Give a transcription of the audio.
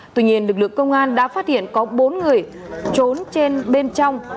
tuy nhiên lực lượng công an đã phát hiện có bốn người trốn trên bên trong